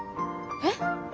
えっ？